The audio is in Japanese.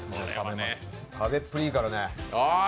食べっぷりいいからね。